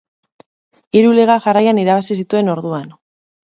Hiru Liga jarraian irabazi zituen orduan.